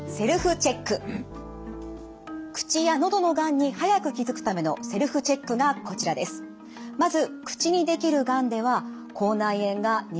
口や喉のがんに早く気付くためのセルフチェックがこちらです。